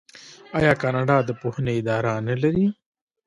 آیا کاناډا د پوهنې اداره نلري؟